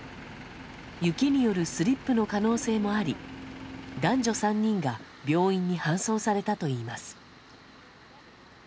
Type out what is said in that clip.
雪によるスリップの可能性もあり男女３人が病院に搬送されたといいます。